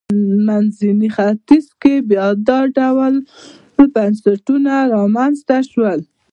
منځني ختیځ کې بیا دا ډول بنسټونه رامنځته شول.